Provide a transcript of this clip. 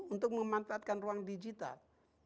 untuk memanfaatkan ruang digital